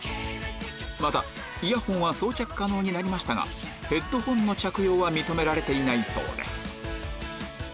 またイヤホンは装着可能になりましたがヘッドホンの着用は認められていないそうです